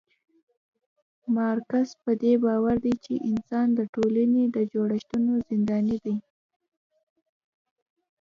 مارکس پدې باور دی چي انسان د ټولني د جوړښتونو زنداني دی